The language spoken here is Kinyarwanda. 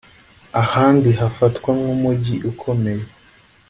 ahandi hafatwa nk umujyi ukomeye